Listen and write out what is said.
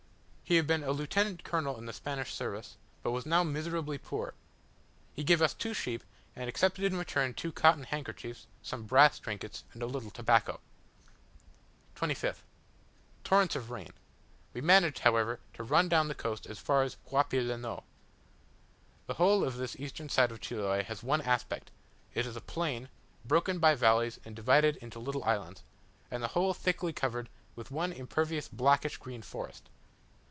He had been a lieutenant colonel in the Spanish service, but now was miserably poor. He gave us two sheep, and accepted in return two cotton handkerchiefs, some brass trinkets, and a little tobacco. 25th. Torrents of rain: we managed, however, to run down the coast as far as Huapi lenou. The whole of this eastern side of Chiloe has one aspect; it is a plain, broken by valleys and divided into little islands, and the whole thickly covered with one impervious blackish green forest.